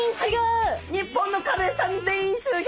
日本のカレイちゃん全員集合！